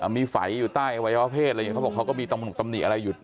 มีไฝอยู่ใต้อวัยวะเพศอะไรอย่างนี้เขาบอกเขาก็มีตำหกตำหนิอะไรอยู่